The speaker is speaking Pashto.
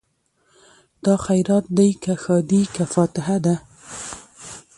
دا خیرات دی که ښادي که فاتحه ده